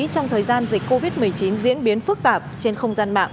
trong thời gian dịch covid một mươi chín diễn biến phức tạp trên không gian mạng